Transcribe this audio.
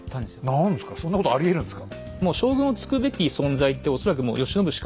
何ですかそんなことありえるんですか？